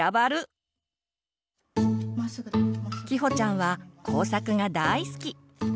きほちゃんは工作が大好き。